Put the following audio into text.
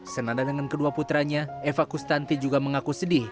senada dengan kedua putranya eva kustanti juga mengaku sedih